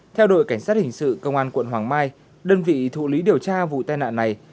theo đội cảnh sát hình sự công an quận hoàng mai đơn vị thụ lý điều tra vụ tai nạn này